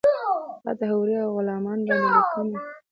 تاته حورې اوغلمان باندې لیکمه